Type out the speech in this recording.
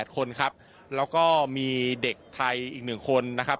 ๘คนครับแล้วก็มีเด็กไทยอีก๑คนนะครับ